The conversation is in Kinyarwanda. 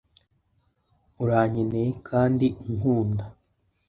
urankeneye kandi unkunda